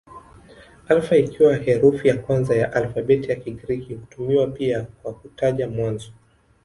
Alfa ikiwa herufi ya kwanza ya alfabeti ya Kigiriki hutumiwa pia kwa kutaja mwanzo.